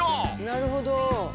なるほど。